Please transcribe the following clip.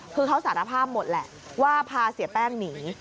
คือเขาสารภาพหมดแหละว่าพาเสียแป้งหนี